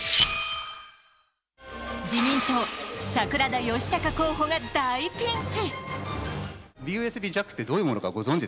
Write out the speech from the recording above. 自民党、桜田義孝候補が大ピンチ！